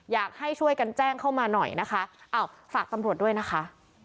อยากให้ช่วยกันแจ้งเข้ามาหน่อยนะคะอ้าวฝากตำรวจด้วยนะคะ